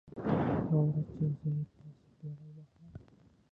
يوه ورځ چې زه يې په څپېړو ووهلم.